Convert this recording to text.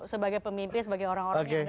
sebagai pemimpin sebagai orang orang yang